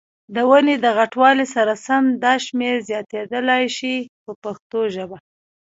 د ونې د غټوالي سره سم دا شمېر زیاتېدلای شي په پښتو ژبه.